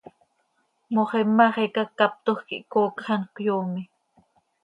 Moxima xiica ccaptoj quih coocj hant cöyoome.